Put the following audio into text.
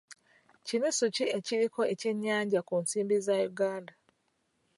Kinusu ki ekiriko ekyenyanja ku nsimbi za Uganda?